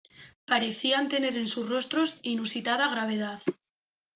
Parecían tener en sus rostros inusitada gravedad.